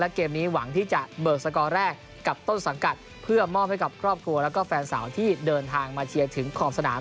เกมนี้หวังที่จะเบิกสกอร์แรกกับต้นสังกัดเพื่อมอบให้กับครอบครัวแล้วก็แฟนสาวที่เดินทางมาเชียร์ถึงขอบสนาม